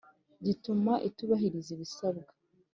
Gituma itubahiriza ibisabwa.